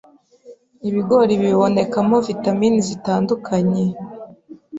Ibigori bibonekamo vitamin zitandukanye